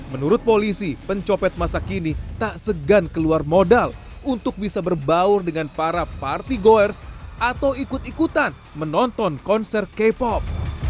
menurut polisi pencopet masa kini tak segan keluar modal untuk bisa berbaur dengan para party goers atau ikut ikutan menonton konser k pop